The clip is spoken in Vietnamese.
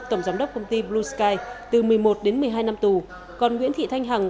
tổng giám đốc công ty blue sky từ một mươi một đến một mươi hai năm tù còn nguyễn thị thanh hằng